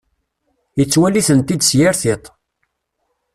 Yettwali-tent-id s yir tiṭ.